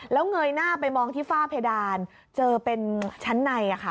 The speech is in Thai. แล้วเงยหน้าไปมองที่ฝ้าเพดานเจอเป็นชั้นใน